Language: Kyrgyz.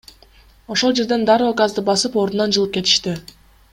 Ошол жерден дароо газды басып, ордунан жылып кетишти.